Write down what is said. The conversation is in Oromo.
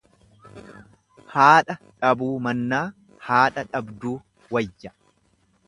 Haadha dhabuu mannaa haadha dhabduu wayya.